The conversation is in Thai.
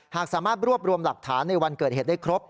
หากสามารถรวบรวมหลักฐานในวันเกิดเหตุได้ครบ